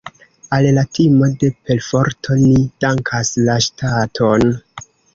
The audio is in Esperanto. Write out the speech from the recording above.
Al la timo de perforto ni dankas la ŝtaton.